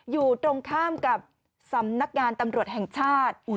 อยู่ตรงข้ามกับสำนักงานตำรวจแห่งชาติ